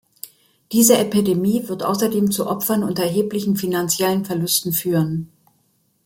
Diese Epidemie wird außerdem zu Opfern und erheblichen finanziellen Verlusten führen.